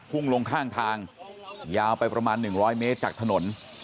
พุ่งลงข้างทางยาวไปประมาณหนึ่งร้อยเมตรจากถนน